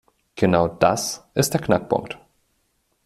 Genau das ist der Knackpunkt.